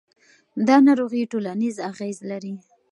دا ناروغي ټولنیز اغېز لري.